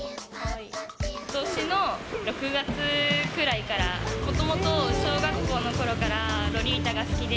ことしの６月くらいから、もともと小学校のころからロリータが好きで。